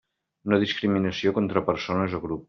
No discriminació contra persones o grups.